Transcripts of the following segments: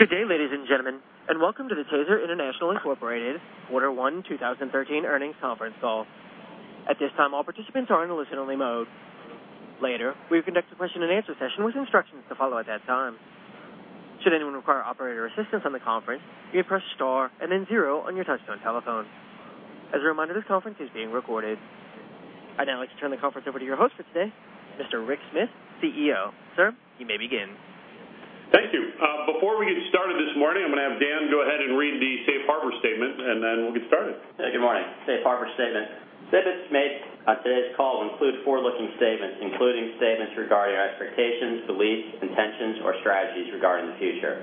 Good day, ladies and gentlemen, welcome to the TASER International, Inc. Quarter One 2013 Earnings Conference Call. At this time, all participants are in listen only mode. Later, we'll conduct a question and answer session with instructions to follow at that time. Should anyone require operator assistance on the conference, you may press star and then zero on your touch-tone telephone. As a reminder, this conference is being recorded. I'd now like to turn the conference over to your host for today, Mr. Rick Smith, CEO. Sir, you may begin. Thank you. Before we get started this morning, I'm going to have Dan go ahead and read the safe harbor statement, and then we'll get started. Hey, good morning. Safe harbor statement. Statements made on today's call include forward-looking statements, including statements regarding expectations, beliefs, intentions, or strategies regarding the future.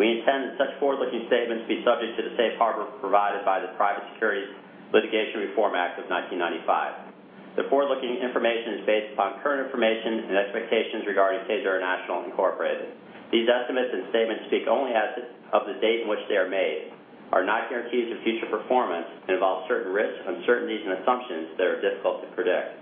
We intend that such forward-looking statements be subject to the safe harbor provided by the Private Securities Litigation Reform Act of 1995. The forward-looking information is based upon current information and expectations regarding TASER International, Inc.. These estimates and statements speak only as of the date in which they are made, are not guarantees of future performance, and involve certain risks, uncertainties, and assumptions that are difficult to predict.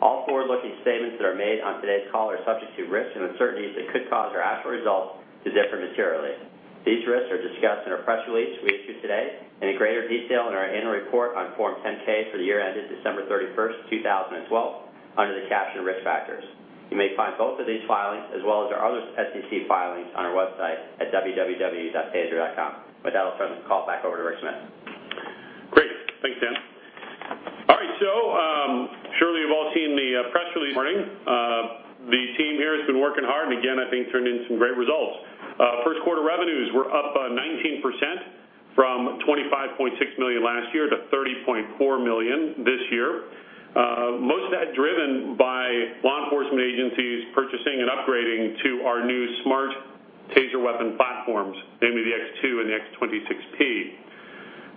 All forward-looking statements that are made on today's call are subject to risks and uncertainties that could cause our actual results to differ materially. These risks are discussed in our press release we issued today and in greater detail in our annual report on Form 10-K for the year ended December 31st, 2012, under the caption Risk Factors. You may find both of these filings, as well as our other SEC filings, on our website at www.taser.com. With that, I'll turn the call back over to Rick Smith. Great. Thanks, Dan. All right. Surely you've all seen the press release this morning. The team here has been working hard, and again, I think turned in some great results. First quarter revenues were up 19% from $25.6 million last year to $30.4 million this year. Most of that driven by law enforcement agencies purchasing and upgrading to our new smart TASER weapon platforms, namely the X2 and the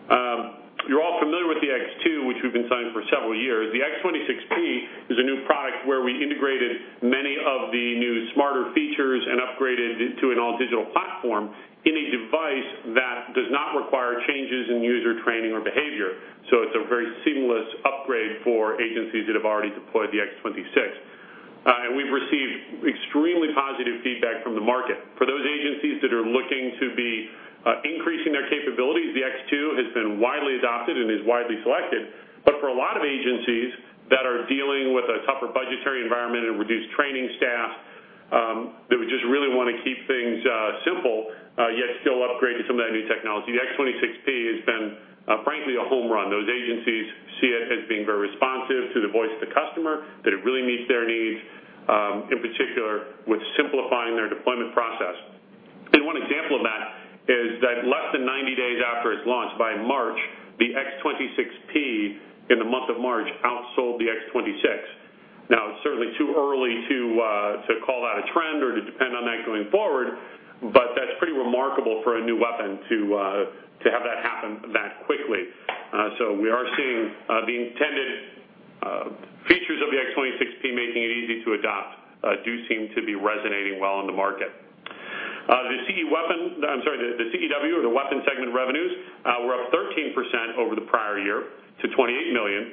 X26P. You're all familiar with the X2, which we've been selling for several years. The X26P is a new product where we integrated many of the new smarter features and upgraded to an all-digital platform in a device that does not require changes in user training or behavior. It's a very seamless upgrade for agencies that have already deployed the X26. We've received extremely positive feedback from the market. For those agencies that are looking to be increasing their capabilities, the X2 has been widely adopted and is widely selected. For a lot of agencies that are dealing with a tougher budgetary environment and reduced training staff, that would just really want to keep things simple, yet still upgrade to some of that new technology. The X26P has been, frankly, a home run. Those agencies see it as being very responsive to the voice of the customer, that it really meets their needs, in particular with simplifying their deployment process. One example of that is that less than 90 days after its launch by March, the X26P in the month of March outsold the X26. It's certainly too early to call that a trend or to depend on that going forward, but that's pretty remarkable for a new weapon to have that happen that quickly. We are seeing the intended features of the X26P making it easy to adopt do seem to be resonating well in the market. The CEW, or the weapon segment revenues, were up 13% over the prior year to $28 million.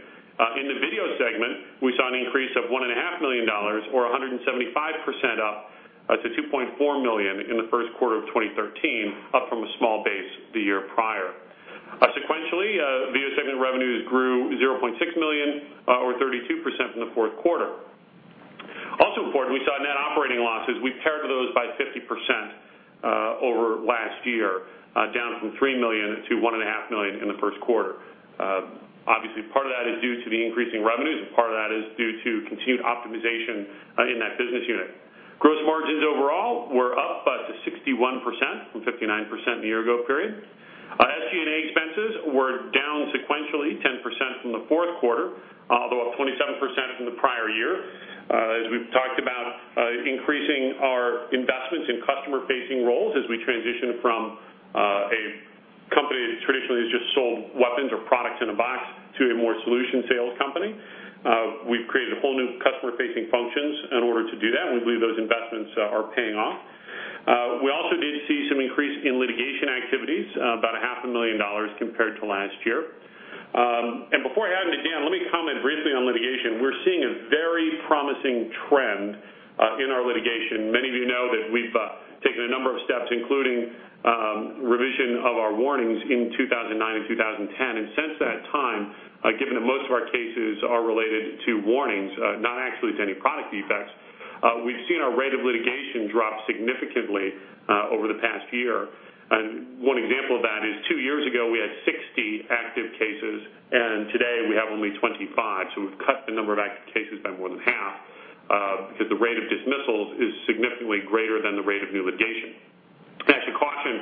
In the video segment, we saw an increase of $1.5 million or 175% up to $2.4 million in the first quarter of 2013, up from a small base the year prior. Sequentially, video segment revenues grew $0.6 million or 32% from the fourth quarter. Also important, we saw net operating losses. We pared those by 50% over last year, down from $3 million to $1.5 million in the first quarter. Obviously, part of that is due to the increasing revenues, and part of that is due to continued optimization in that business unit. Gross margins overall were up to 61% from 59% a year ago period. SG&A expenses were down sequentially 10% from the fourth quarter, although up 27% from the prior year. As we've talked about, increasing our investments in customer-facing roles as we transition from a company that traditionally has just sold weapons or products in a box to a more solution sales company. We've created whole new customer-facing functions in order to do that. We believe those investments are paying off. We also did see some increase in litigation activities, about a half a million dollars compared to last year. Before handing to Dan, let me comment briefly on litigation. We're seeing a very promising trend in our litigation. Many of you know that we've taken a number of steps, including revision of our warnings in 2009 and 2010. Since that time, given that most of our cases are related to warnings, not actually to any product defects, we've seen our rate of litigation drop significantly over the past year. One example of that is 2 years ago, we had 60 active cases, and today we have only 25. We've cut the number of active cases by more than half because the rate of dismissals is significantly greater than the rate of new litigation. I should caution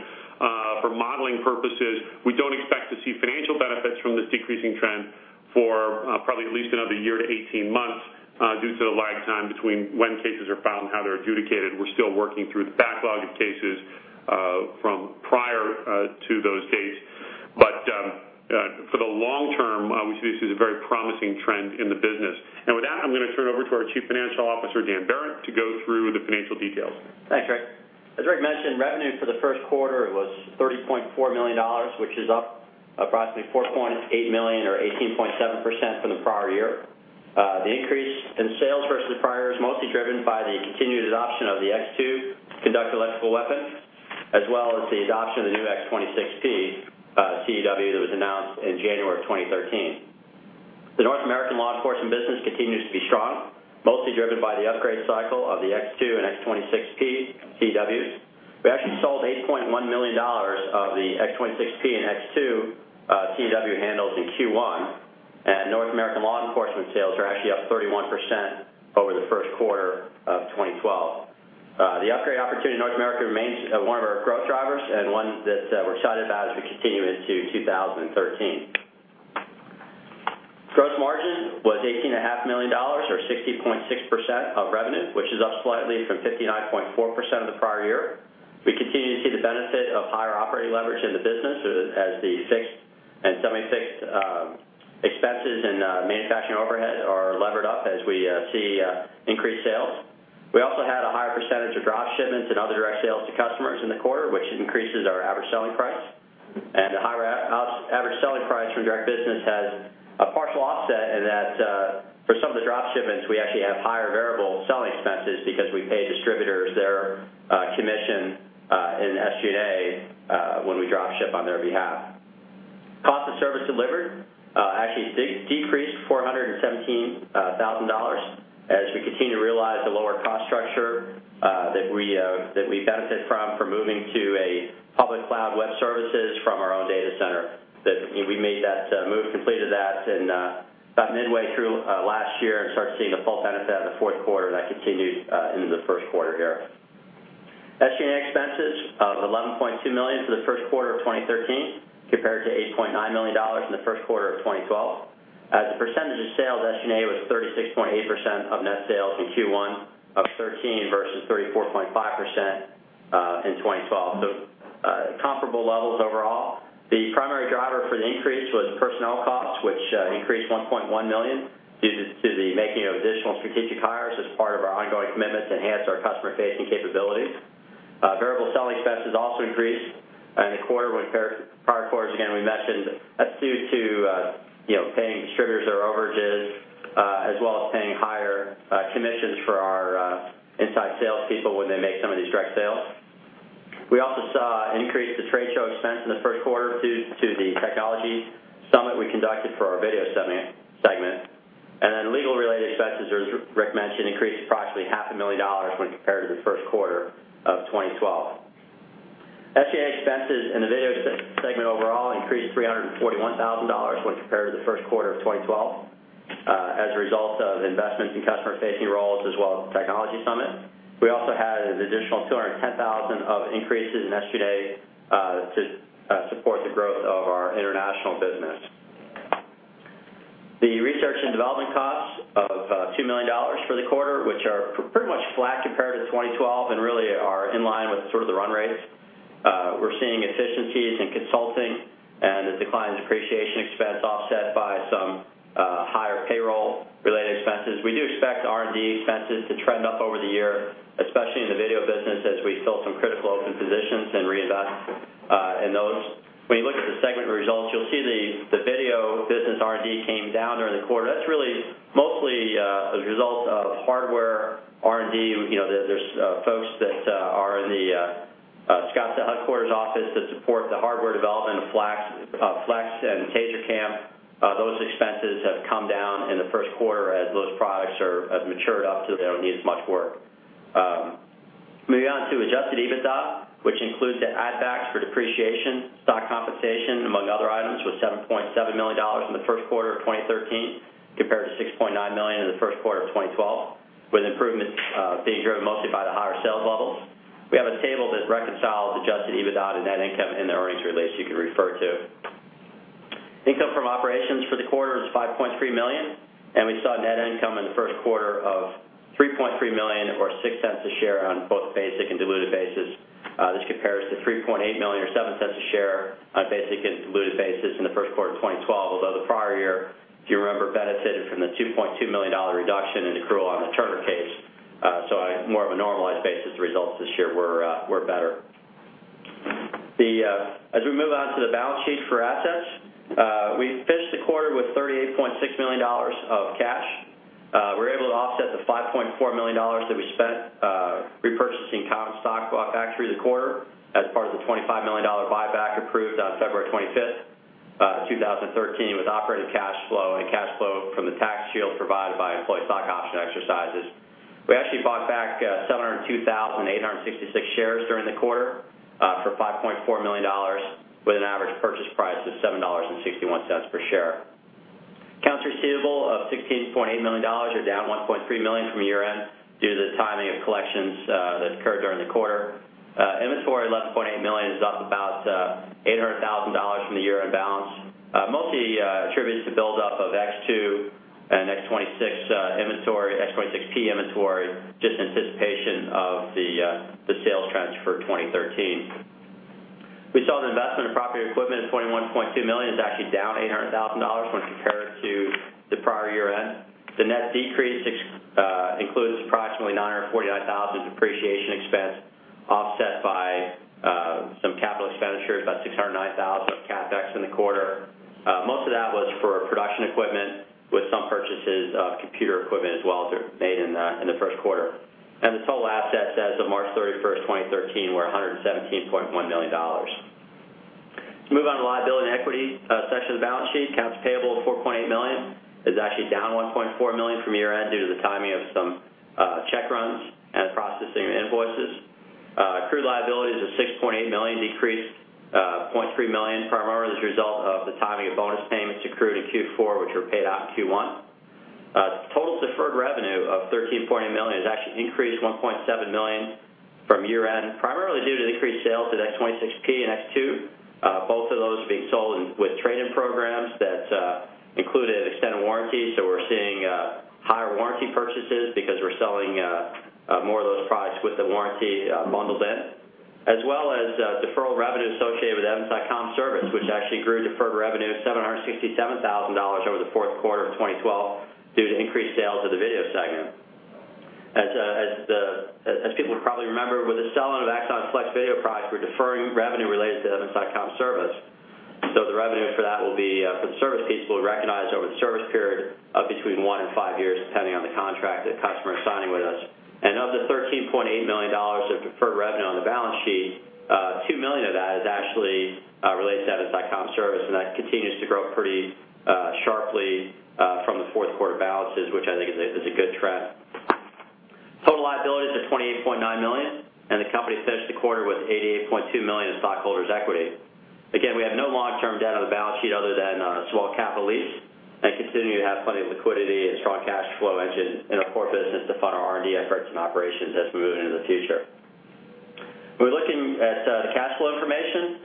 for modeling purposes, we don't expect to see financial benefits from this decreasing trend for probably at least another year to 18 months due to the lag time between when cases are filed and how they're adjudicated. We're still working through the backlog of cases from prior to those dates. For the long term, we see this is a very promising trend in the business. With that, I'm going to turn it over to our Chief Financial Officer, Dan Behrendt, to go through the financial details. Thanks, Rick. As Rick mentioned, revenue for the first quarter was $30.4 million, which is up approximately $4.8 million or 18.7% from the prior year. The increase in sales versus prior is mostly driven by the continued adoption of the TASER X2, as well as the adoption of the new TASER X26P, a CEW that was announced in January 2013. The North American law enforcement business continues to be strong, mostly driven by the upgrade cycle of the TASER X2 and TASER X26P CEWs. We actually sold $8.1 million of the TASER X26P and TASER X2 CEW handles in Q1, and North American law enforcement sales are actually up 31% over the first quarter of 2012. The upgrade opportunity in North America remains one of our growth drivers and one that we're excited about as we continue into 2013. Gross margin was $18.5 million or 60.6% of revenue, which is up slightly from 59.4% of the prior year. We continue to see the benefit of higher operating leverage in the business as the fixed and semi-fixed expenses and manufacturing overhead are levered up as we see increased sales. We also had a higher percentage of drop shipments and other direct sales to customers in the quarter, which increases our average selling price. The higher average selling price from direct business has a partial offset in that for some of the drop shipments, we actually have higher variable selling expenses because we pay distributors their commission in SG&A when we drop ship on their behalf. Cost of service delivered actually decreased $417,000 as we continue to realize the lower cost structure that we benefit from moving to a public cloud web services from our own data center. We made that move, completed that in about midway through last year and started seeing the full benefit of the fourth quarter. That continued into the first quarter here. SG&A expenses of $11.2 million for the first quarter of 2013 compared to $8.9 million in the first quarter of 2012. As a percentage of sales, SG&A was 36.8% of net sales in Q1 of 2013 versus 34.5% in 2012. Comparable levels overall. The primary driver for the increase was personnel costs, which increased $1.1 million due to the making of additional strategic hires as part of our ongoing commitment to enhance our customer-facing capabilities. Variable selling expenses also increased in the quarter when compared to prior quarters. Again, we mentioned that's due to paying distributors their overages, as well as paying higher commissions for our inside salespeople when they make some of these direct sales. We also saw an increase to trade show expense in the first quarter due to the technology summit we conducted for our video segment. Legal-related expenses, as Rick mentioned, increased approximately half a million dollars when compared to the first quarter of 2012. SG&A expenses in the video segment overall increased $341,000 when compared to the first quarter of 2012, as a result of investments in customer-facing roles, as well as technology summit. We also had an additional $210,000 of increases in SG&A to support the growth of our international business. The R&D costs of $2 million for the quarter, which are pretty much flat compared to 2012 and really are in line with sort of the run rates. We're seeing efficiencies in consulting and a decline in depreciation expense offset by some higher payroll-related expenses. We do expect R&D expenses to trend up over the year, especially in the video business, as we fill some critical open positions and reinvest in those. When you look at the segment results, you'll see the video business R&D came down during the quarter. That's really mostly a result of hardware R&D. There's folks that are in the Scottsdale headquarters office that support the hardware development of Axon Flex and TASER CAM. Those expenses have come down in the first quarter as those products are as matured up so they don't need as much work. Moving on to adjusted EBITDA, which includes the add backs for depreciation, stock compensation, among other items, was $7.7 million in the first quarter of 2013 compared to $6.9 million in the first quarter of 2012, with improvements being driven mostly by the higher sales levels. We have a table that reconciles adjusted EBITDA to net income in the earnings release you can refer to. Income from operations for the quarter was $5.3 million, and we saw net income in the first quarter of $3.3 million or $0.06 a share on both basic and diluted basis. This compares to $3.8 million or $0.07 a share on basic and diluted basis in the first quarter of 2012, although the prior year, if you remember, benefited from the $2.2 million reduction in accrual on the Turner case. On more of a normalized basis, the results this year were better. As we move on to the balance sheet for assets, we finished the quarter with $38.6 million of cash. We were able to offset the $5.4 million that we spent repurchasing common stock bought back through the quarter as part of the $25 million buyback approved on February 25th, 2013, with operating cash flow and cash flow from the tax shield provided by employee stock option exercises. We actually bought back 702,866 shares during the quarter for $5.4 million with an average purchase price of $7.61 per share. Accounts receivable of $16.8 million are down $1.3 million from year-end due to the timing of collections that occurred during the quarter. Inventory $11.8 million is up about $800,000 from the year-end balance, mostly attributed to build-up of X2 and X26 inventory, X26P inventory, just in anticipation of the sales trends for 2013. We saw the investment in property equipment at $21.2 million. It's actually down $800,000 when compared to the prior year-end. The net decrease includes approximately $949,000 depreciation expense offset by in the quarter. Most of that was for production equipment, with some purchases of computer equipment as well, made in the first quarter. The total assets as of March 31st, 2013, were $117.1 million. Let's move on to the liability and equity section of the balance sheet. Accounts payable of $4.8 million. It's actually down $1.4 million from year-end due to the timing of some check runs and the processing of invoices. Accrued liabilities of $6.8 million, decreased $0.3 million, primarily as a result of the timing of bonus payments accrued in Q4, which were paid out in Q1. Total deferred revenue of $13.8 million has actually increased $1.7 million from year-end, primarily due to the increased sales of the X26P and X2, both of those being sold with trade-in programs that included extended warranties. We're seeing higher warranty purchases because we're selling more of those products with the warranty bundled in, as well as deferral revenue associated with evidence.com service, which actually grew deferred revenue $767,000 over the fourth quarter of 2012 due to increased sales of the video segment. As people probably remember, with the selling of Axon Flex video products, we're deferring revenue related to evidence.com service. The revenue for the service piece will be recognized over the service period of between one and five years, depending on the contract that customer is signing with us. Of the $13.8 million of deferred revenue on the balance sheet, $2 million of that is actually related to evidence.com service, and that continues to grow pretty sharply from the fourth quarter balances, which I think is a good trend. Total liabilities of $28.9 million, and the company finished the quarter with $88.2 million in stockholders' equity. Again, we have no long-term debt on the balance sheet other than a small capital lease, and continue to have plenty of liquidity and strong cash flow engine in our core business to fund our R&D efforts and operations as we move into the future. When we're looking at the cash flow information,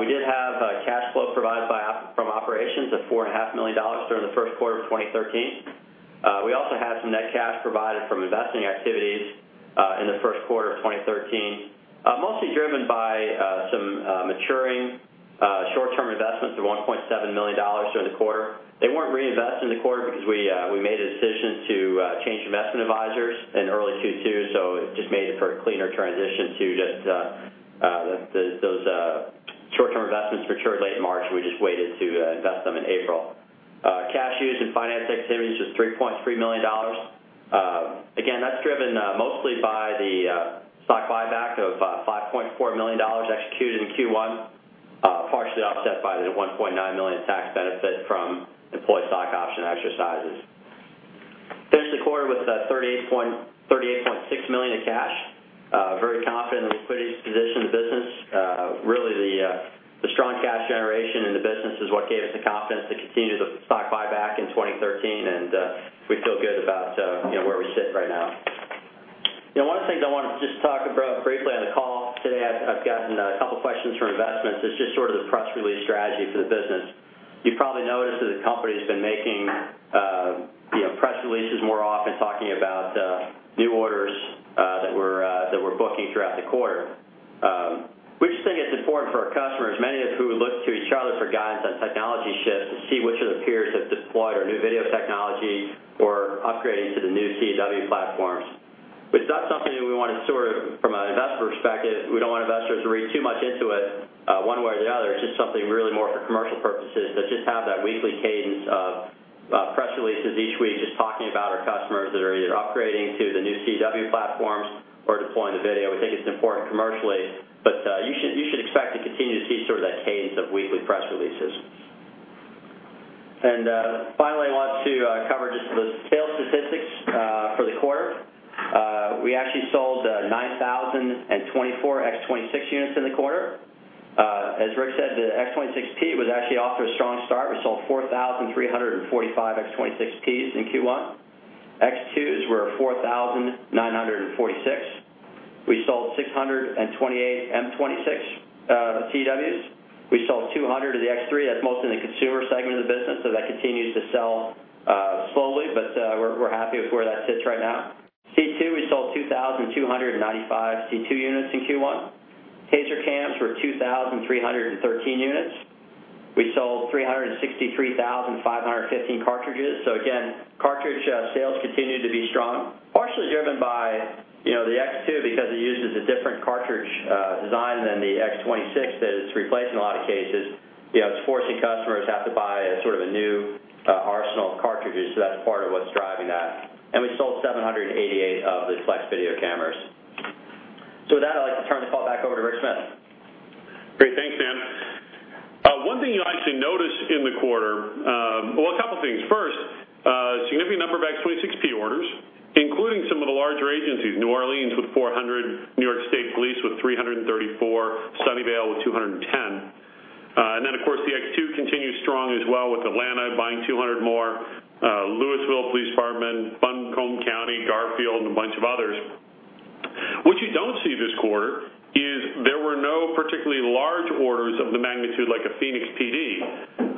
we did have cash flow provided from operations of $4.5 million during the first quarter of 2013. We also had some net cash provided from investing activities in the first quarter of 2013, mostly driven by some maturing short-term investments of $1.7 million during the quarter. They weren't reinvested in the quarter because we made a decision to change investment advisors in early Q2, so it just made for a cleaner transition to just those short-term investments matured late March. We just waited to invest them in April. Cash used in financing activities was $3.3 million. That's driven mostly by the stock buyback of $5.4 million executed in Q1, partially offset by the $1.9 million tax benefit from employee stock option exercises. Finished the quarter with $38.6 million of cash. Very confident in the liquidity position of the business. Really, the strong cash generation in the business is what gave us the confidence to continue the stock buyback in 2013, and we feel good about where we sit right now. One of the things I want to just talk about briefly on the call today, I've gotten a couple questions from investors. It's just sort of the press release strategy for the business. You've probably noticed that the company's been making press releases more often talking about new orders that we're booking throughout the quarter. We just think it's important for our customers, many of whom look to each other for guidance on technology shifts to see which of their peers have deployed our new video technology or are upgrading to the new CEW platforms. It's not something that we want to, from an investor perspective, we don't want investors to read too much into it one way or the other. It's just something really more for commercial purposes, just have that weekly cadence of press releases each week just talking about our customers that are either upgrading to the new CEW platforms or deploying the video. We think it's important commercially, you should expect to continue to see sort of that cadence of weekly press releases. Finally, I wanted to cover just the sales statistics for the quarter. We actually sold 9,024 X26 units in the quarter. As Rick said, the X26P was actually off to a strong start. We sold 4,345 X26Ps in Q1. X2s were 4,946. We sold 628 M26 CEWs. We sold 200 of the X3. That's mostly in the consumer segment of the business, so that continues to sell slowly, but we're happy with where that sits right now. C2, we sold 2,295 C2 units in Q1. TASER Cams were 2,313 units. We sold 363,515 cartridges. Again, cartridge sales continued to be strong, partially driven by the X2, because it uses a different cartridge design than the X26 that it's replacing in a lot of cases. It's forcing customers to have to buy a sort of a new arsenal of cartridges, so that's part of what's driving that. We sold 788 of the Flex video cameras. With that, I'd like to turn the call back over to Rick Smith. Great. Thanks, Dan. One thing you'll actually notice in the quarter. Well, a couple things. First, a significant number of X26P orders, including some of the larger agencies, New Orleans with 400, New York State Police with 334, Sunnyvale with 210. Then, of course, the X2 continues strong as well with Atlanta buying 200 more. Louisville Metro Police Department, Buncombe County, Garfield, and a bunch of others. What you don't see this quarter is there were no particularly large orders of the magnitude like a Phoenix Police Department.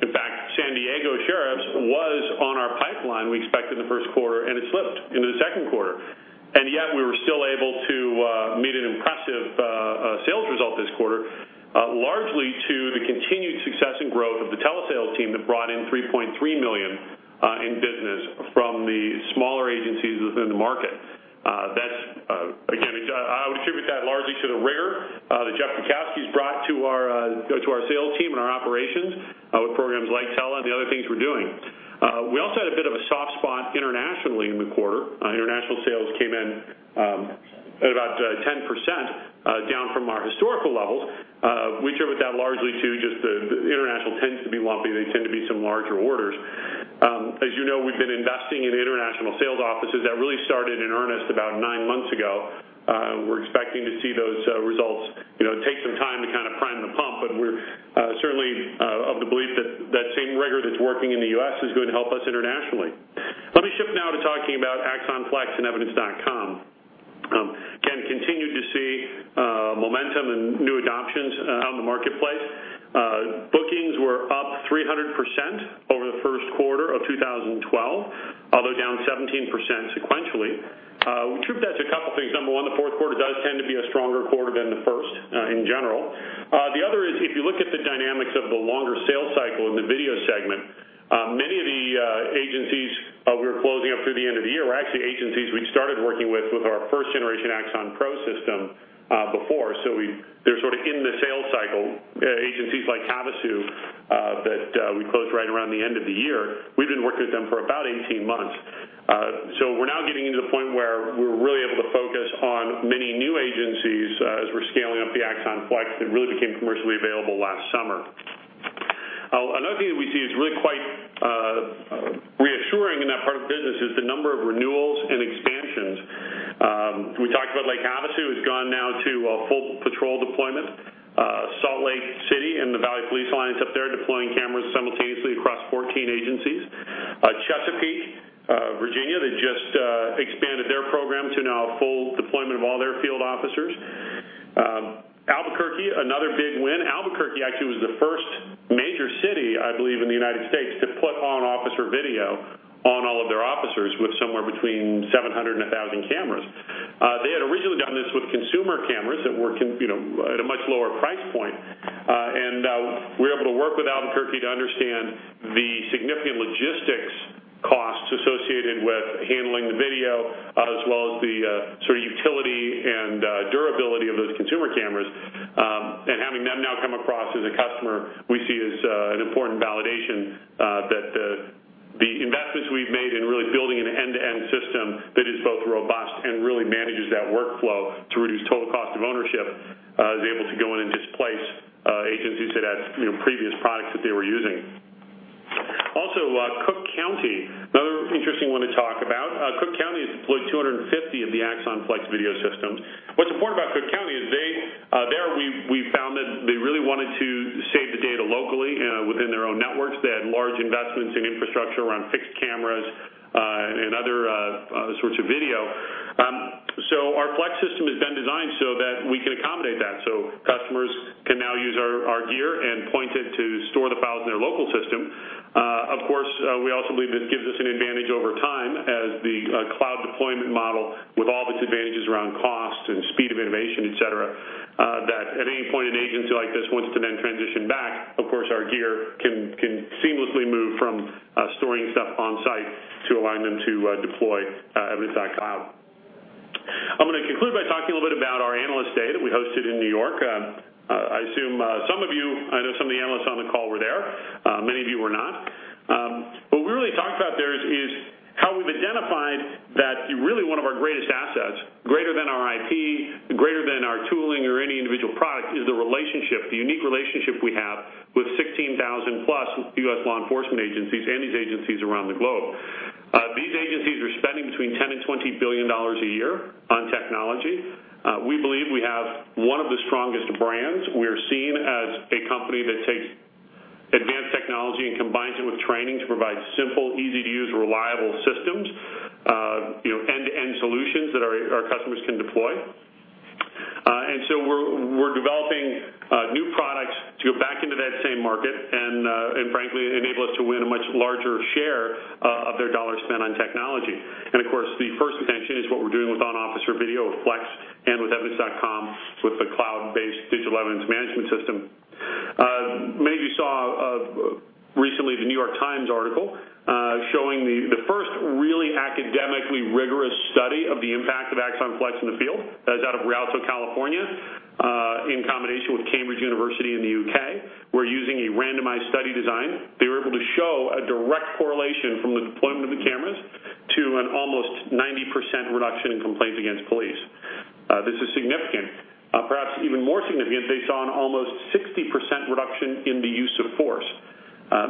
In fact, San Diego County Sheriff's Office was on our pipeline we expected the first quarter, and it slipped into the second quarter. Yet we were still able to meet an impressive sales result this quarter, largely to the continued success and growth of the telesales team that brought in $3.3 million in business from the smaller agencies within the market. We attribute that largely to the rigor that Jeff Kukowski has brought to our sales team and our operations, with programs like and the other things we're doing. We also had a bit of a soft spot internationally in the quarter. International sales came in at about 10%, down from our historical levels. We attribute that largely to just the international tends to be lumpy. They tend to be some larger orders. As you know, we've been investing in international sales offices, that really started in earnest about nine months ago. We're expecting to see those results. It takes some time to prime the pump, but we're certainly of the belief that that same rigor that's working in the U.S. is going to help us internationally. Let me shift now to talking about Axon Flex and Evidence.com. Again, continued to see momentum and new adoptions out in the marketplace. Bookings were up 300% over the first quarter of 2012, although down 17% sequentially. We attribute that to a couple things. Number one, the fourth quarter does tend to be a stronger quarter than the first, in general. The other is, if you look at the dynamics of the longer sales cycle in the video segment, many of the agencies we were closing up through the end of the year were actually agencies we'd started working with our first generation Axon Pro system before. They're sort of in the sales cycle, agencies like Havasu, that we closed right around the end of the year. We've been working with them for about 18 months. We're now getting into the point where we're really able to focus on many new agencies, as we're scaling up the Axon Flex, that really became commercially available last summer. Another thing that we see is really quite reassuring in that part of the business is the number of renewals and expansions. We talked about Lake Havasu, who's gone now to full patrol deployment. Salt Lake City and the Valley Police Alliance up there, deploying cameras simultaneously across 14 agencies. Chesapeake, Virginia, they just expanded their program to now full deployment of all their field officers. Albuquerque, another big win. Albuquerque actually was the first major city, I believe, in the United States to put on-officer video on all of their officers, with somewhere between 700 and 1,000 cameras. They had originally done this with consumer cameras that were at a much lower price point. We were able to work with Albuquerque to understand the significant logistics costs associated with handling the video, as well as the sort of utility and durability of those consumer cameras. Having them now come across as a customer, we see as an important validation, that the investments we've made in really building an end-to-end system that is both robust and really manages that workflow to reduce total cost of ownership, is able to go in and displace agencies that had previous products that they were using. Also, Cook County, another interesting one to talk about. Cook County has deployed 250 of the Axon Flex video systems. What's important about Cook County is there we found that they really wanted to save the data locally, within their own networks. They had large investments in infrastructure around fixed cameras, and other sorts of video. Our Flex system has been designed so that we can accommodate that. Customers can now use our gear and point it to store the files in their local system. Of course, we also believe this gives us an advantage over time as the cloud deployment model, with all of its advantages around cost and speed of innovation, et cetera, that at any point an agency like this wants to then transition back, of course, our gear can seamlessly move from storing stuff on-site to allowing them to deploy Evidence.com. I am going to conclude by talking a little bit about our Analyst Day that we hosted in New York. I assume some of you, I know some of the analysts on the call were there. Many of you were not. What we really talked about there is how we've identified that really one of our greatest assets, greater than our IT, greater than our tooling or any individual product, is the relationship, the unique relationship we have with 16,000-plus U.S. law enforcement agencies and these agencies around the globe. These agencies are spending between $10 billion-$20 billion a year on technology. We believe we have one of the strongest brands. We're seen as a company that takes advanced technology and combines it with training to provide simple, easy to use, reliable systems, end-to-end solutions that our customers can deploy. We're developing new products to go back into that same market, and frankly, enable us to win a much larger share of their dollar spent on technology. Of course, the first intention is what we're doing with on-officer video with Axon Flex and with Evidence.com, with the cloud-based digital evidence management system. Many of you saw recently The New York Times article, showing the first really academically rigorous study of the impact of Axon Flex in the field. That is out of Rialto, California, in combination with University of Cambridge in the U.K. We're using a randomized study design. They were able to show a direct correlation from the deployment of the cameras to an almost 90% reduction in complaints against police. This is significant. Perhaps even more significant, they saw an almost 60% reduction in the use of force,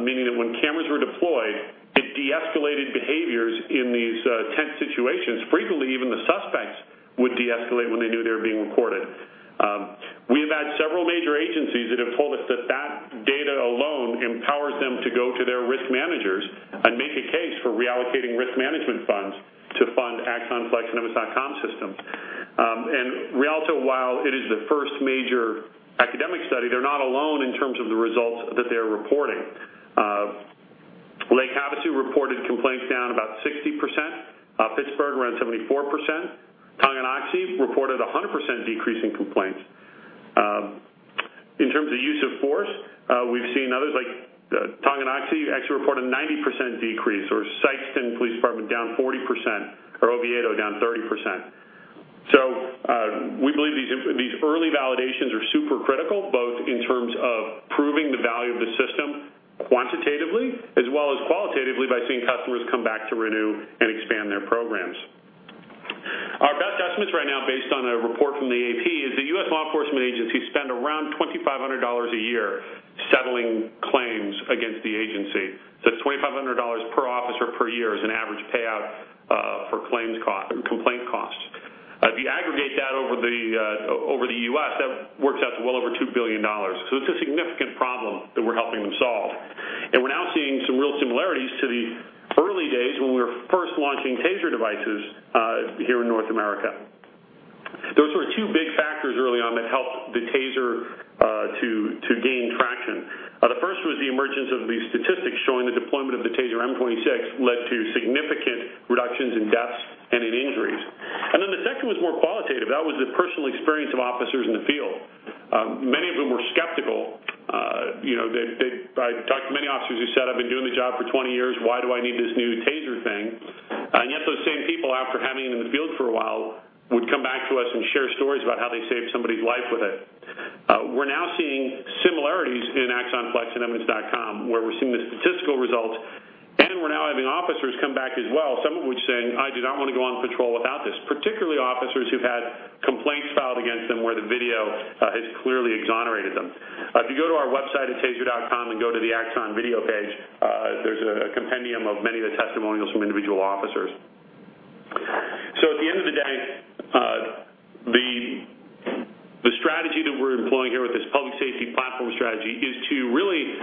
meaning that when cameras were deployed, it deescalated behaviors in these tense situations. Frequently, even the suspects would deescalate when they knew they were being recorded. We have had several major agencies that have told us that that data alone empowers them to go to their risk managers and make a case for reallocating risk management funds to fund Axon Flex and Evidence.com systems. Rialto, while it is the first major academic study, they're not alone in terms of the results that they're reporting. Lake Havasu reported complaints down about 60%. Pittsburgh ran 74%. Tonganoxie reported 100% decrease in complaints. In terms of use of force, we've seen others like Tonganoxie actually report a 90% decrease, or Sikeston Police Department down 40%, or Oviedo down 30%. We believe these early validations are super critical, both in terms of proving the value of the system quantitatively as well as qualitatively by seeing customers come back to renew and expand their programs. Our best estimates right now, based on a report from the AP, is that U.S. law enforcement agencies spend around $2,500 a year settling claims against the agency. So that's $2,500 per officer per year as an average payout for complaint costs. If you aggregate that over the U.S., that works out to well over $2 billion. It's a significant problem that we're helping them solve. We're now seeing some real similarities to the early days when we were first launching TASER devices here in North America. There were two big factors early on that helped the TASER to gain traction. The first was the emergence of the statistics showing the deployment of the TASER M26 led to significant reductions in deaths and in injuries. The second was more qualitative. That was the personal experience of officers in the field. Many of them were skeptical. I talked to many officers who said, "I've been doing the job for 20 years. Why do I need this new TASER thing?" Those same people, after having it in the field for a while, would come back to us and share stories about how they saved somebody's life with it. We're now seeing similarities in Axon Flex and Evidence.com, where we're seeing the statistical results, we're now having officers come back as well, some of which saying, "I do not want to go on patrol without this." Particularly officers who've had complaints filed against them where the video has clearly exonerated them. If you go to our website at taser.com and go to the Axon video page, there's a compendium of many of the testimonials from individual officers. At the end of the day, the strategy that we're employing here with this public safety platform strategy is to really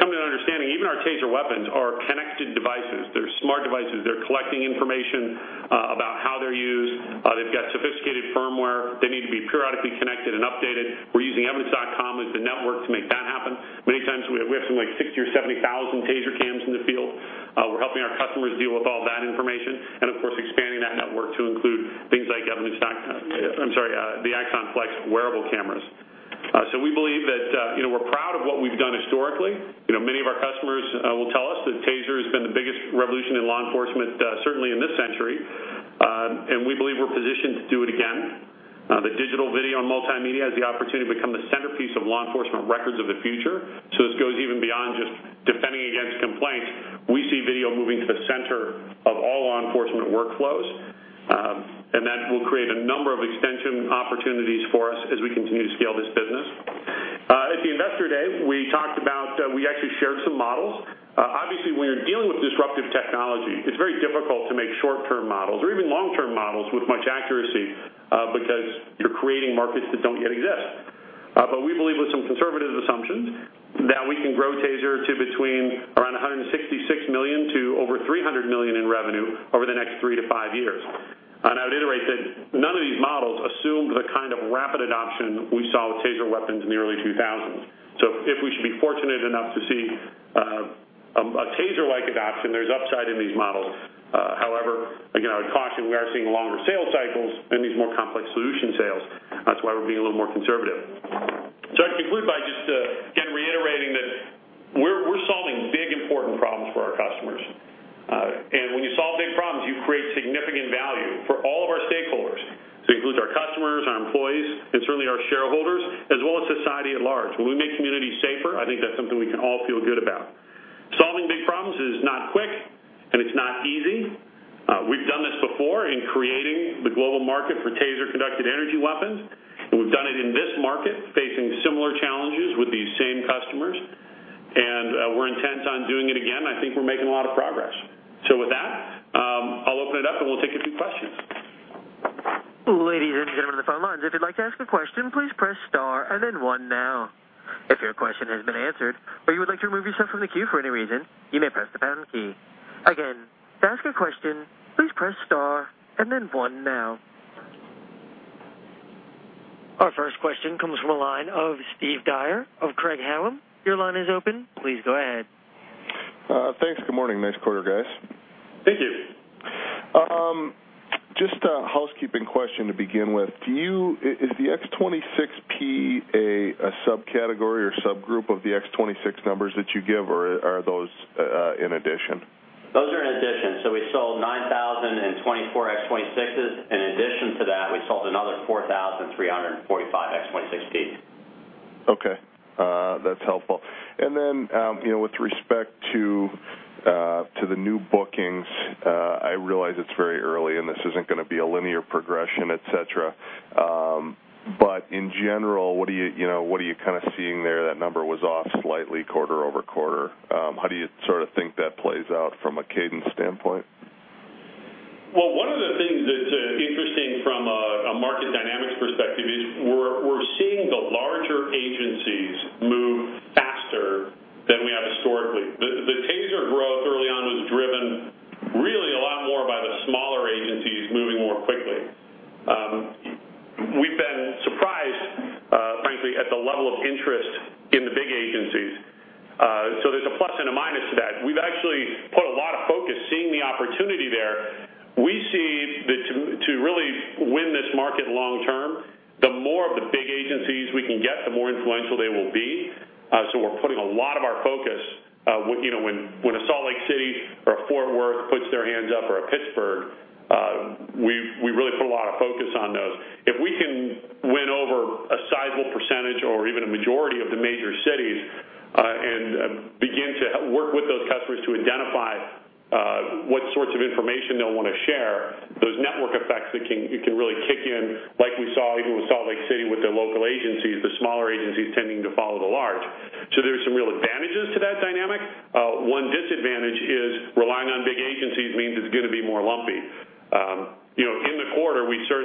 come to an understanding. Even our TASER weapons are connected devices. They're smart devices. They're collecting information about how they're used. They've got sophisticated firmware. They need to be periodically connected and updated. We're using Evidence.com as the network to make that happen. Many times, we have something like 60,000 or 70,000 TASER CAMs in the field. We're helping our customers deal with all that information, of course, expanding that network to include things like the Axon Flex wearable cameras. We believe that we're proud of what we've done historically. Many of our customers will tell us that TASER has been the biggest revolution in law enforcement, certainly in this century. We believe we're positioned to do it again. The digital video and multimedia has the opportunity to become the centerpiece of law enforcement records of the future. This goes even beyond just defending against complaints. We see video moving to the center of all law enforcement workflows. That will create a number of extension opportunities for us as we continue to scale this business. At the Investor Day, we actually shared some models. Obviously, when you're dealing with disruptive technology, it's very difficult to make short-term models or even long-term models with much accuracy, because you're creating markets that don't yet exist. We believe with some conservative assumptions that we can grow TASER to between around $166 million to over $300 million in revenue over the next 3-5 years. I would iterate that none of these models assume the kind of rapid adoption we saw with TASER weapons in the early 2000s. If we should be fortunate enough to see a TASER-like adoption, there's upside in these models. However, again, I would caution we are seeing longer sales cycles and these more complex solution sales. That's why we're being a little more conservative. I'd conclude by just, again, reiterating that we're solving big, important problems for our customers. When you solve big problems, you create significant value for all of our stakeholders. It includes our customers, our employees, and certainly our shareholders, as well as society at large. When we make communities safer, I think that's something we can all feel good about. Solving big problems is not quick, and it's not easy. We've done this before in creating the global market for TASER conducted energy weapons, and we've done it in this market, facing similar challenges with these same customers, and we're intent on doing it again, and I think we're making a lot of progress. With that, I'll open it up, and we'll take a few questions. Ladies and gentlemen on the phone lines, if you'd like to ask a question, please press star and then one now. If your question has been answered, or you would like to remove yourself from the queue for any reason, you may press the pound key. Again, to ask a question, please press star and then one now. Our first question comes from the line of Steve Dyer of Craig-Hallum. Your line is open. Please go ahead. Thanks. Good morning. Nice quarter, guys. Thank you. Just a housekeeping question to begin with. Is the X26P a subcategory or subgroup of the X26 numbers that you give, or are those in addition? Those are in addition. We sold 9,024 X26s. In addition to that, we sold another 4,345 X26Ps. Okay. That's helpful. With respect to the new bookings, I realize it's very early, and this isn't going to be a linear progression, et cetera. In general, what are you kind of seeing there? That number was off slightly quarter-over-quarter. How do you sort of think that plays out from a cadence standpoint? Well, one of the things that's interesting from a market dynamics perspective is we're seeing the larger agencies move faster than we have historically. The TASER growth early on was driven really a lot more by the smaller agencies moving more quickly. We've been surprised, frankly, at the level of interest in the big agencies. There's a plus and a minus, the opportunity there. We see that to really win this market long term, the more of the big agencies we can get, the more influential they will be. We're putting a lot of our focus, when a Salt Lake City or a Fort Worth puts their hands up, or a Pittsburgh, we really put a lot of focus on those. If we can win over a sizable percentage or even a majority of the major cities, and begin to work with those customers to identify what sorts of information they'll want to share, those network effects it can really kick in, like we saw even with Salt Lake City, with their local agencies, the smaller agencies tending to follow the large. There's some real advantages to that dynamic. One disadvantage is relying on big agencies means it's going to be more lumpy. In the quarter, we had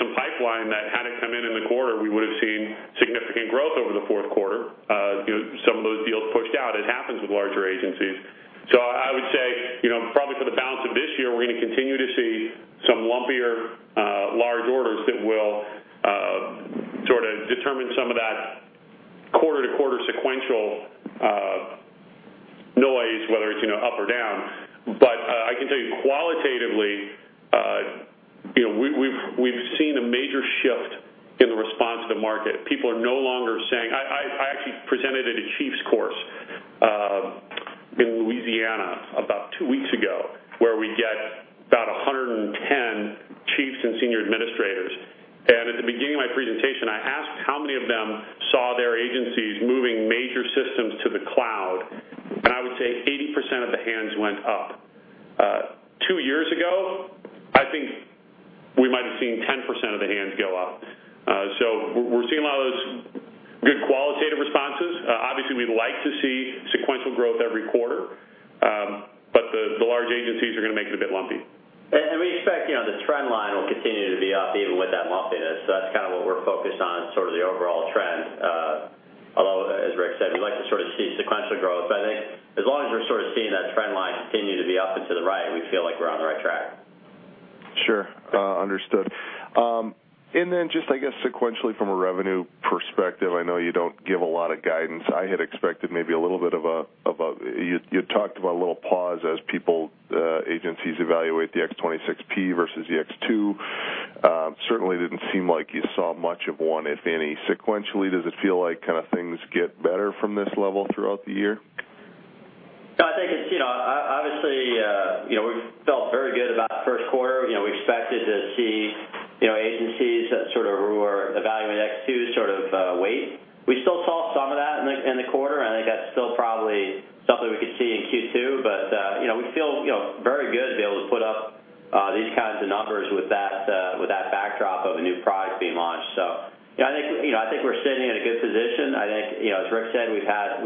some pipeline that had it come in the quarter, we would've seen significant growth over the fourth quarter. Some of those deals pushed out. It happens with larger agencies. I would say, probably for the balance of this year, we're going to continue to see some lumpier, large orders that will sort of determine some of that quarter-over-quarter sequential noise, whether it's up or down. I can tell you qualitatively, we've seen a major shift in the response to market. I actually presented at a chief's course in Louisiana about 2 weeks ago, where we get about 110 chiefs and senior administrators, and at the beginning of my presentation, I asked how many of them saw their agencies moving major systems to the cloud, and I would say 80% of the hands went up. 2 years ago, I think we might've seen 10% of the hands go up. We're seeing a lot of those good qualitative responses. Obviously, we'd like to see sequential growth every quarter, the large agencies are going to make it a bit lumpy. We expect the trend line will continue to be up even with that lumpiness. That's kind of what we're focused on, sort of the overall trend, although, as Rick said, we'd like to sort of see sequential growth. I think as long as we're sort of seeing that trend line continue to be up and to the right, we feel like we're on the right track. Sure. Understood. Then just I guess sequentially from a revenue perspective, I know you don't give a lot of guidance. I had expected maybe you had talked about a little pause as agencies evaluate the X26P versus the X2. Certainly didn't seem like you saw much of one, if any. Sequentially, does it feel like kind of things get better from this level throughout the year? I think obviously, we felt very good about first quarter. We expected to see agencies that sort of who are evaluating X2 sort of wait. We still saw some of that in the quarter. I think that's still probably stuff that we could see in Q2. We feel very good to be able to put up these kinds of numbers with that backdrop of a new product being launched. I think we're sitting in a good position. I think, as Rick said, we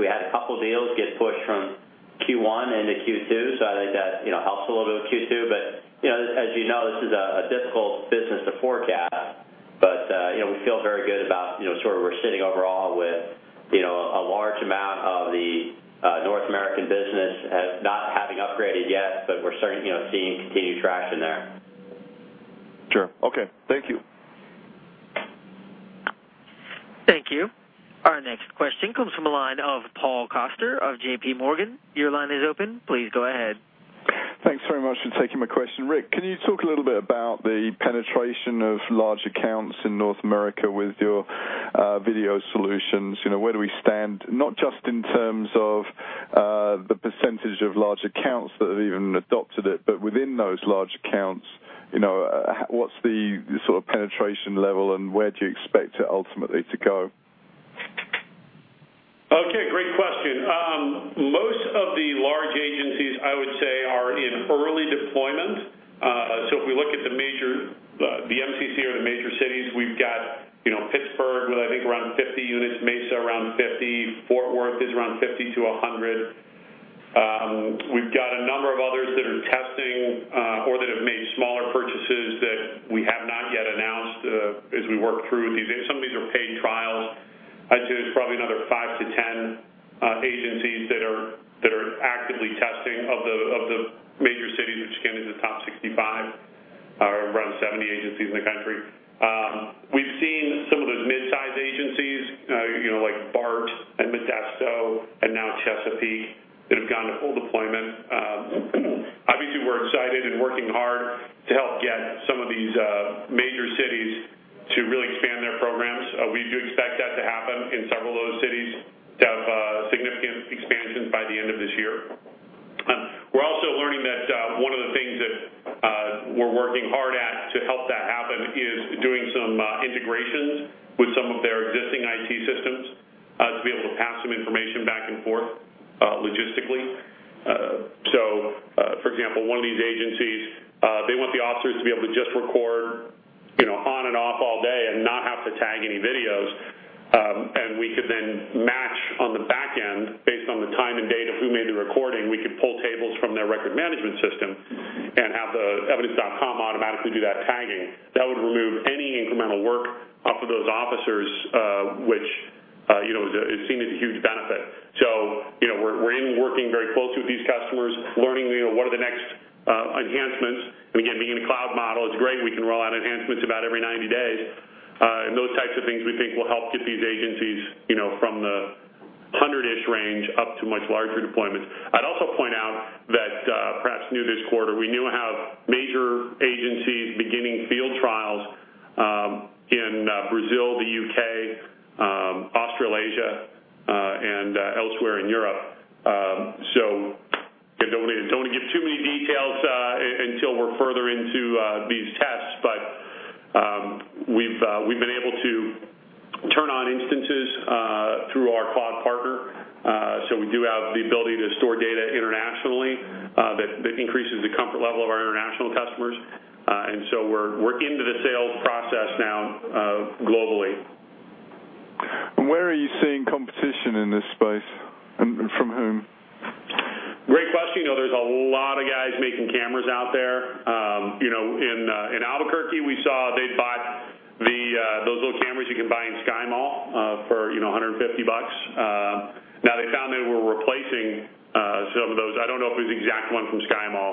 had a couple deals get pushed from Q1 into Q2. I think that helps a little bit with Q2. As you know, this is a difficult business to forecast. We feel very good about where we're sitting overall with a large amount of the North American business not having upgraded yet. We're starting seeing continued traction there. Sure. Okay. Thank you. Thank you. Our next question comes from the line of Paul Coster of J.P. Morgan. Your line is open. Please go ahead. Thanks very much for taking my question. Rick, can you talk a little bit about the penetration of large accounts in North America with your video solutions? Where do we stand, not just in terms of the % of large accounts that have even adopted it, but within those large accounts, what's the sort of penetration level, and where do you expect it ultimately to go? Okay. Great question. Most of the large agencies, I would say, are in early deployment. If we look at the MCC or the major cities, we've got Pittsburgh with I think around 50 units, Mesa around 50, Fort Worth is around 50 to 100. We've got a number of others that are testing, or that have made smaller purchases that we have not yet announced as we work through these. Some of these are paid trials. I'd say there's probably another five to 10 agencies that are actively testing of the major cities, which again, is the top 65 or around 70 agencies in the country. We've seen some of those mid-size agencies, like BART and Modesto, and now Chesapeake, that have gone to full deployment. Obviously, we're excited and working hard to help get some of these major cities to really expand their programs. We do expect that to happen in several of those cities, to have significant expansion by the end of this year. We're also learning that one of the things that we're working hard at to help that happen is doing some integrations with some of their existing IT systems, to be able to pass some information back and forth logistically. For example, one of these agencies, they want the officers to be able to just record on and off all day and not have to tag any videos, and we could then match on the back end based on the time and date of who made the recording. We could pull tables from their record management system and have Evidence.com automatically do that tagging. That would remove any incremental work off of those officers, which is seen as a huge benefit. We're in working very closely with these customers, learning. Again, being a cloud model is great. We can roll out enhancements about every 90 days. Those types of things we think will help get these agencies from the 100-ish range up to much larger deployments. I'd also point out that, perhaps new this quarter, we now have major agencies beginning field trials in Brazil, the U.K., Australasia, and elsewhere in Europe. Don't want to give too many details until we're further into these tests, but we've been able to turn on instances through our cloud partner. We do have the ability to store data internationally, that increases the comfort level of our international customers. We're into the sales process now, globally. Where are you seeing competition in this space, and from whom? Great question. There's a lot of guys making cameras out there. In Albuquerque, we saw they'd bought those little cameras you can buy in SkyMall for $150. They found they were replacing some of those. I don't know if it was the exact one from SkyMall,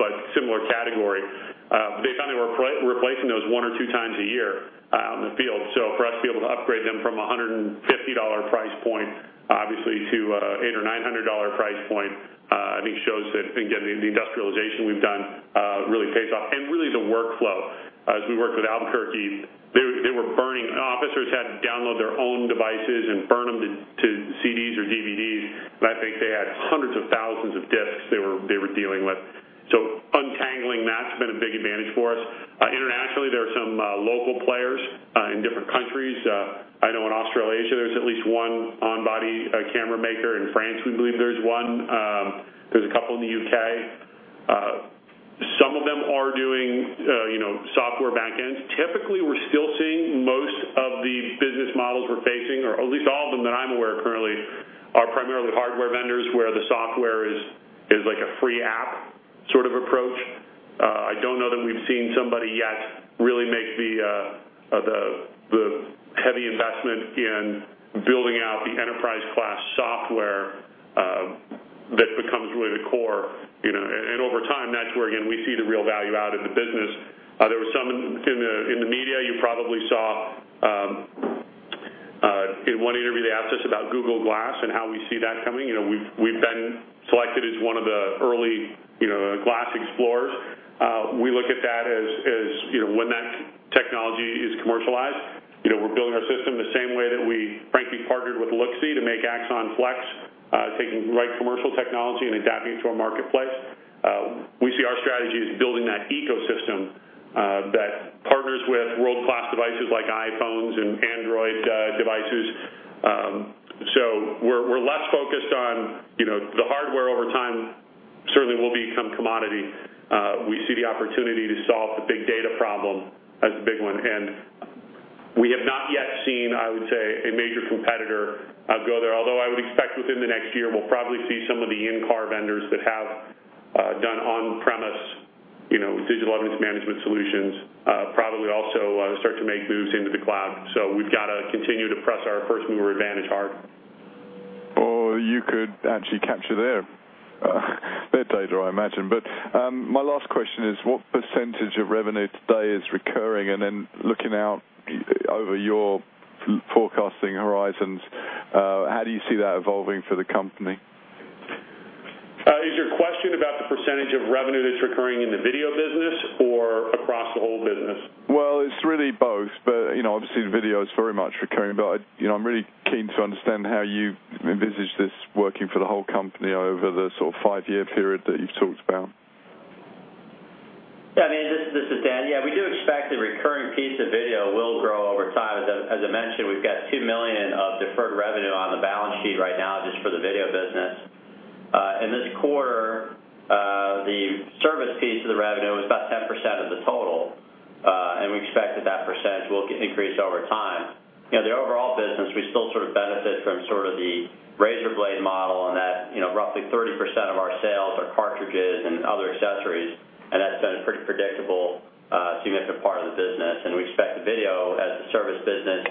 but similar category. They found they were replacing those one or two times a year out in the field. For us to be able to upgrade them from $150 price point, obviously, to $800 or $900 price point, I think shows that, again, the industrialization we've done really pays off. Really the workflow. As we worked with Albuquerque, officers had to download their own devices and burn them to CDs or DVDs. I think they had hundreds of thousands of discs they were dealing with. Untangling that's been a big advantage for us. Internationally, there are some local players in different countries. I know in Australasia, there's at least one on-body camera maker. In France, we believe there's one. There's a couple in the U.K. Some of them are doing software back ends. Typically, we're still seeing most of the business models we're facing, or at least all of them that I'm aware currently, are primarily hardware vendors where the software is like a free app sort of approach. I don't know that we've seen somebody yet really make the heavy investment in building out the enterprise-class software that becomes really the core. Over time, that's where, again, we see the real value add in the business. In the media, you probably saw, in one interview they asked us about Google Glass and how we see that coming. We've been selected as one of the early Glass explorers. We look at that as when that technology is commercialized, we're building our system the same way that we frankly partnered with Looxcie to make Axon Flex, taking the right commercial technology and adapting it to our marketplace. We see our strategy as building that ecosystem that partners with world-class devices like iPhones and Android devices. We're less focused on the hardware over time, certainly will become commodity. We see the opportunity to solve the big data problem as a big one. We have not yet seen, I would say, a major competitor go there. Although I would expect within the next year, we'll probably see some of the in-car vendors that have done on-premise digital evidence management solutions, probably also start to make moves into the cloud. We've got to continue to press our first-mover advantage hard. You could actually capture their data, I imagine. My last question is, what % of revenue today is recurring? Then looking out over your forecasting horizons, how do you see that evolving for the company? Is your question about the % of revenue that's recurring in the video business or across the whole business? Well, it's really both, obviously the video is very much recurring. I'm really keen to understand how you envisage this working for the whole company over the sort of five-year period that you've talked about. This is Dan. We do expect the recurring piece of video will grow over time. As I mentioned, we've got $2 million of deferred revenue on the balance sheet right now, just for the video business. In this quarter, the service piece of the revenue was about 10% of the total. We expect that that % will increase over time. The overall business, we still sort of benefit from sort of the razor blade model and that roughly 30% of our sales are cartridges and other accessories, and that's been a pretty predictable, significant part of the business. We expect the video as a service business.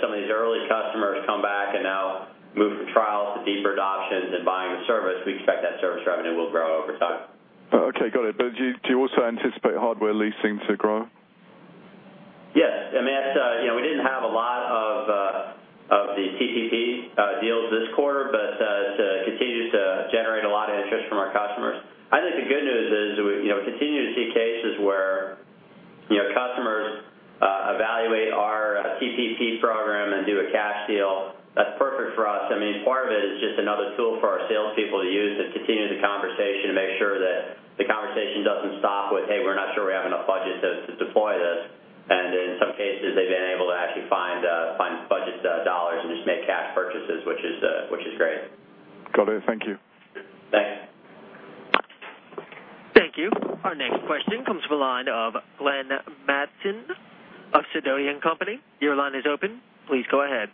Some of these early customers come back and now move from trials to deeper adoptions and buying the service, we expect that service revenue will grow over time. Okay, got it. Do you also anticipate hardware leasing to grow? Yes. We didn't have a lot of the TPP deals this quarter, it continues to generate a lot of interest from our customers. I think the good news is we continue to see cases where customers evaluate our TPP program and do a cash deal. That's perfect for us. Part of it is just another tool for our salespeople to use to continue the conversation, to make sure that the conversation doesn't stop with, "Hey, we're not sure we have enough budget to deploy this." In some cases, they've been able to actually find budget dollars and just make cash purchases, which is great. Got it. Thank you. Thanks. Thank you. Our next question comes from the line of Glenn Mattson of Sidoti & Company. Your line is open. Please go ahead.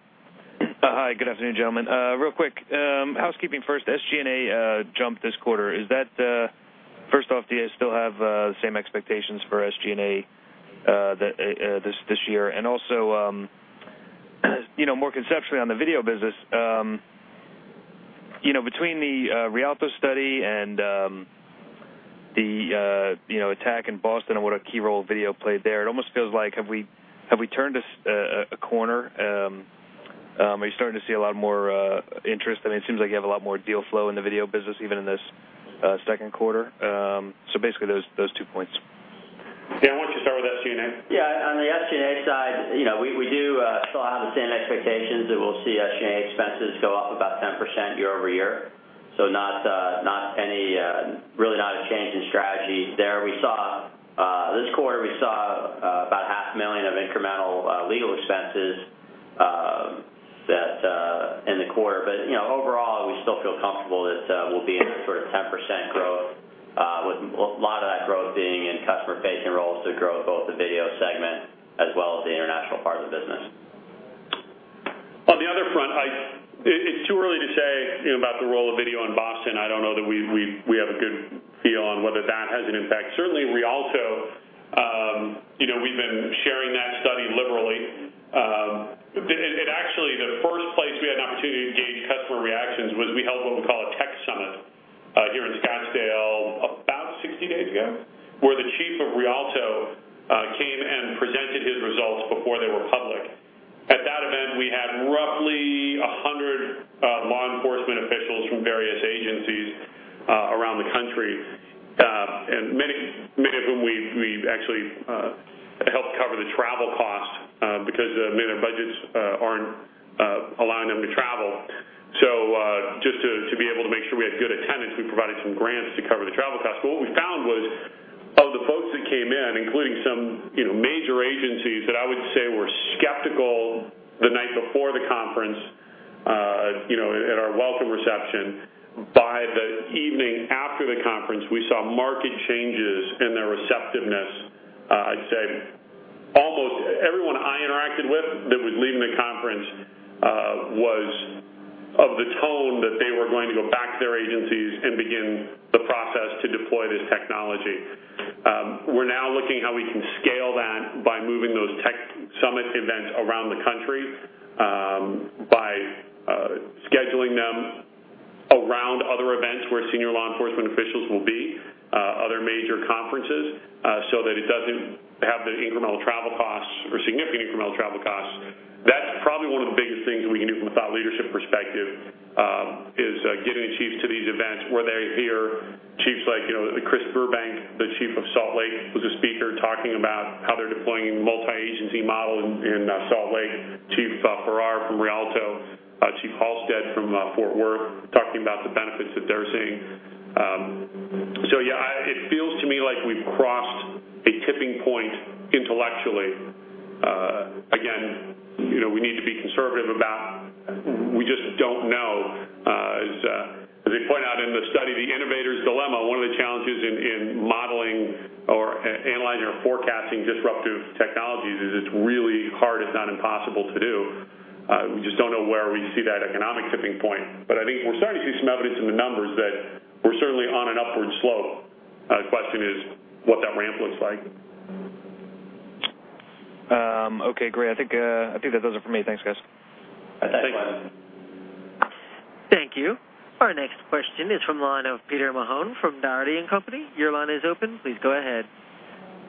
Hi. Good afternoon, gentlemen. Real quick, housekeeping first. SG&A jumped this quarter. First off, do you still have the same expectations for SG&A this year? More conceptually on the video business. Between the Rialto study and the attack in Boston and what a key role video played there, it almost feels like, have we turned a corner? Are you starting to see a lot more interest? It seems like you have a lot more deal flow in the video business, even in this second quarter. Basically those two points. Dan, why don't you start with SG&A? Yeah. On the SG&A side, we do still have the same expectations that we'll see SG&A expenses go up about 10% year-over-year. Really not a change in strategy there. This quarter, we saw about half a million of incremental legal expenses in the quarter. Overall, we still feel comfortable that we'll be in sort of 10% growth, with a lot of that growth being in customer-facing roles, so growth both the video segment as well as the international part of the business. On the other front, it's too early to say about the role of video in Boston. I don't know that we have a good feel on whether that has an impact. Certainly, Rialto, we've been sharing that study liberally. The first place we had an opportunity to gauge customer reactions was we held what we call a tech summit, here in Scottsdale about 60 days ago, where the chief of Rialto came and presented his results before they were public. At that event, we had roughly 100 law enforcement officials from various agencies around the country. Many of whom we've actually helped cover the travel costs, because many of their budgets aren't allowing them to travel. Just to be able to make sure we had good attendance, we provided some grants to cover the travel costs. What we found was, of the folks that came in, including some major agencies that I would say were skeptical the night before the conference at our welcome reception, by the evening after the conference, we saw marked changes in their receptiveness. I'd say almost everyone I interacted with that was leaving the conference was of the tone that they were going to go back to their agencies and begin the process to deploy this technology. We're now looking how we can scale that by moving those tech summit events around the country, by scheduling them around other events where senior law enforcement officials will be, other major conferences, so that it doesn't have the incremental travel costs or significant incremental travel costs. That's probably one of the biggest things we can do from a thought leadership perspective, is getting the chiefs to these events where they hear chiefs like Chris Burbank, Chief of Salt Lake, who's a speaker talking about how they're deploying multi-agency model in Salt Lake, William Farrar from Rialto, Jeffrey Halstead from Fort Worth, talking about the benefits that they're seeing. Yeah, it feels to me like we've crossed a tipping point intellectually. Again, we need to be conservative about, we just don't know. As we point out in the study, the innovator's dilemma, one of the challenges in modeling or analyzing or forecasting disruptive technologies is it's really hard, if not impossible to do. We just don't know where we see that economic tipping point. I think we're starting to see some evidence in the numbers that we're certainly on an upward slope. The question is what that ramp looks like. Okay, great. I think that does it for me. Thanks, guys. Thanks. Thanks. Thank you. Our next question is from the line of Peter Mahon from Dougherty & Company. Your line is open. Please go ahead.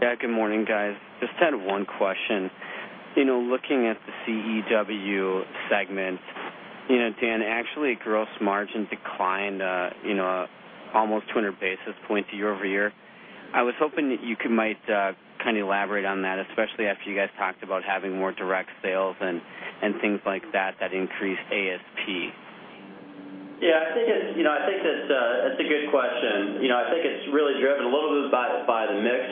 Yeah, good morning, guys. Just had one question. Looking at the CEW segment, Dan, actually gross margin declined almost 200 basis points year-over-year. I was hoping that you might elaborate on that, especially after you guys talked about having more direct sales and things like that increase ASP. Yeah. I think that's a good question. I think it's really driven a little bit by the mix.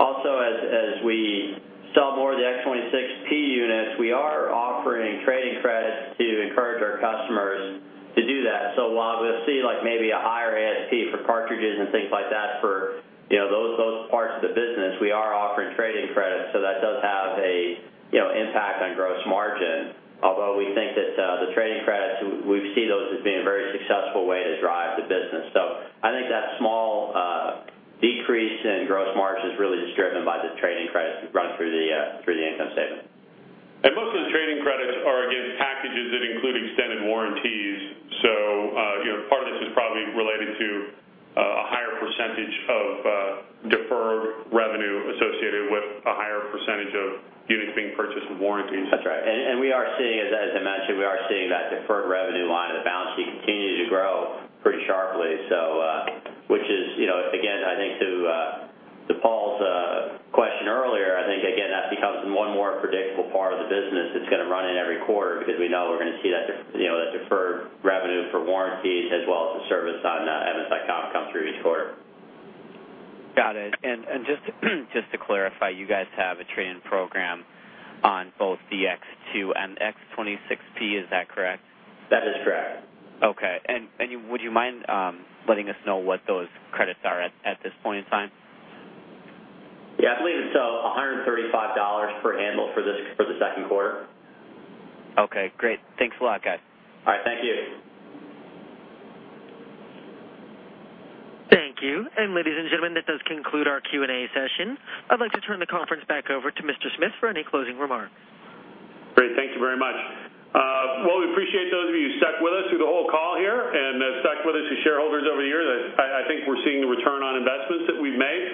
Also, as we sell more of the X26-P units, we are offering trade-in credits to encourage our customers to do that. While we'll see maybe a higher ASP for cartridges and things like that for those parts of the business, we are offering trade-in credits, that does have an impact on gross margin. Although we think that the trade-in credits, we see those as being a very successful way to drive the business. I think that small decrease in gross margin is really just driven by the trade-in credits we run through the income statement. Most of the trade-in credits are against packages that include extended warranties. Part of this is probably related to a higher percentage of deferred revenue associated with a higher percentage of units being purchased with warranties. That's right. As I mentioned, we are seeing that deferred revenue line on the balance sheet continue to grow pretty sharply. Which is, again, I think to Paul's question earlier. I think again, that becomes one more predictable part of the business that's going to run in every quarter because we know we're going to see that deferred revenue for warranties as well as the service on [MSI-COMP] come through each quarter. Got it. Just to clarify, you guys have a trade-in program on both the X2 and X26P, is that correct? That is correct. Okay. Would you mind letting us know what those credits are at this point in time? Yeah. I believe it's $135 per handle for the second quarter. Okay, great. Thanks a lot, guys. All right. Thank you. Thank you. Ladies and gentlemen, that does conclude our Q&A session. I'd like to turn the conference back over to Mr. Smith for any closing remarks. Great. Thank you very much. We appreciate those of you who stuck with us through the whole call here and stuck with us as shareholders over the years. I think we're seeing the return on investments that we've made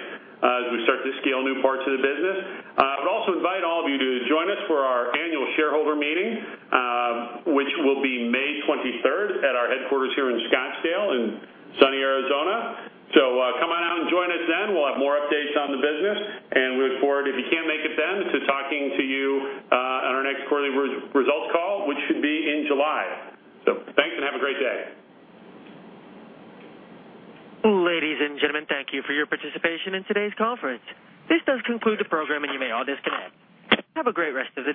as we start to scale new parts of the business. I would also invite all of you to join us for our annual shareholder meeting, which will be May 23rd at our headquarters here in Scottsdale in sunny Arizona. Come on out and join us then. We'll have more updates on the business, we look forward, if you can't make it then, to talking to you on our next quarterly results call, which should be in July. Thanks and have a great day. Ladies and gentlemen, thank you for your participation in today's conference. This does conclude the program, you may all disconnect. Have a great rest of the day